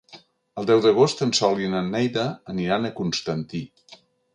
El deu d'agost en Sol i na Neida aniran a Constantí.